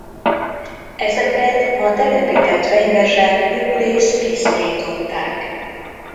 Ezeket a telepített fenyvesek jórészt kiszorították.